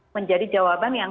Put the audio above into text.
menjadi jawaban yang